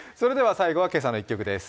最後は「けさの１曲」です。